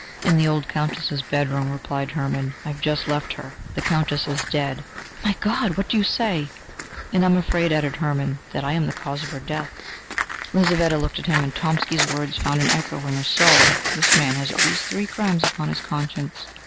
"In the old Countess's bedroom," replied Hermann: "I have just left her. The Countess is dead." "My God! What do you say?" "And I am afraid," added Hermann, "that I am the cause of her death." Lizaveta looked at him, and Tomsky's words found an echo in her soul: "This man has at least three crimes upon his conscience!"